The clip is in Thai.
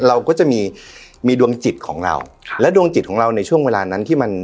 เราก็จะมีมีดวงจิตของเราค่ะและดวงจิตของเราในช่วงเวลานั้นที่มัน